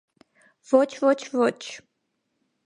- Ոչ, ոչ, ոչ: